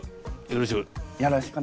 よろしく。